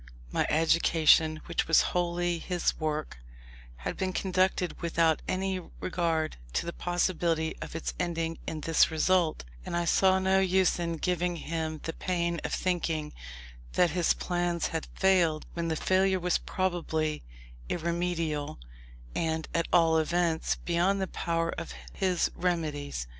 My education, which was wholly his work, had been conducted without any regard to the possibility of its ending in this result; and I saw no use in giving him the pain of thinking that his plans had failed, when the failure was probably irremediable, and, at all events, beyond the power of his remedies.